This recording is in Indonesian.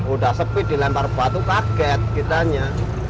udah sepi dilempar batu kaget kitanya